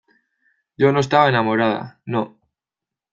yo no estaba enamorada. no .